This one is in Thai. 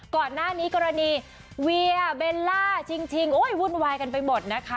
ก่อนหน้านี้กรณีเวียเบลล่าชิงโอ้ยวุ่นวายกันไปหมดนะคะ